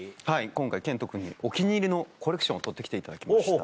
今回賢人君にお気に入りのコレクションを撮って来ていただきました。